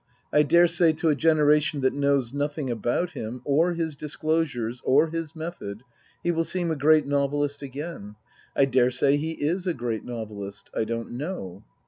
I daresay to a generation that knows nothing about him or his disclosures or his method he will seem a great novelist again. I daresay he is a great novelist. I don't know.